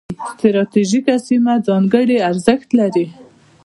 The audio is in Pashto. ستراتیژیکه سیمه ځانګړي ارزښت لري.